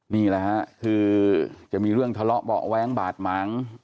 นี่แหละฮะคือจะมีเรื่องทะเลาะเบาะแว้งบาดหมาง